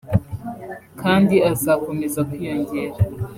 kandi azakomeza kwiyongera